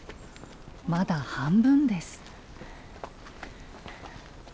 まだ半分です。